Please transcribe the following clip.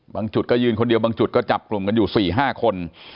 จุดก็ยืนคนเดียวบางจุดก็จับกลุ่มกันอยู่๔๕คน